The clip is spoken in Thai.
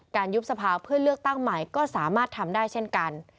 ยุบสภาเพื่อเลือกตั้งใหม่ก็สามารถทำได้เช่นกัน